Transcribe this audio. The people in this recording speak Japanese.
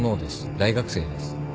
大学生です。